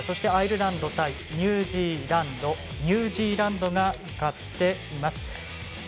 そして、アイルランド対ニュージーランドはニュージーランドが勝っています。